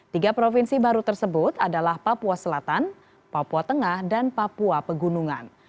tiga provinsi baru tersebut adalah papua selatan papua tengah dan papua pegunungan